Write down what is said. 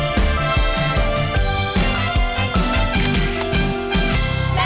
วันนี้ค่ะ